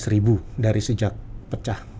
enam belas ribu dari sejak pecah